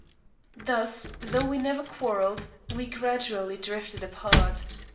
Thus, though we never quarrelled, we gradually drifted apart.